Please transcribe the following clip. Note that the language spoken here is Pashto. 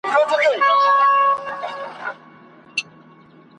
سترگه ور وي، ژبه ور وي عالمان وي `